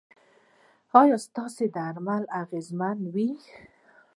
ایا ستاسو درمل اغیزمن وو؟